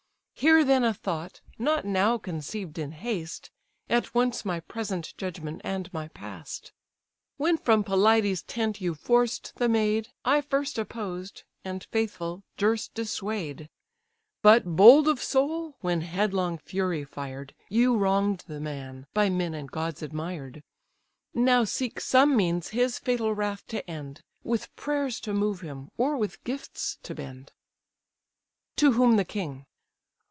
Hear then a thought, not now conceived in haste, At once my present judgment and my past. When from Pelides' tent you forced the maid, I first opposed, and faithful, durst dissuade; But bold of soul, when headlong fury fired, You wronged the man, by men and gods admired: Now seek some means his fatal wrath to end, With prayers to move him, or with gifts to bend." To whom the king.